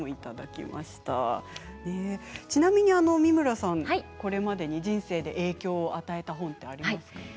ちなみに美村さんはこれまでに影響を与えた本はありますか？